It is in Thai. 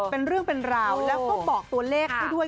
เป็นเรื่องเป็นราวแล้วก็บอกตัวเลขให้ด้วย